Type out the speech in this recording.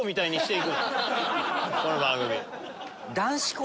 この番組。